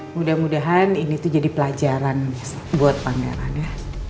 mudah mudahan ini tuh jadi pelajaran buat pangeran ya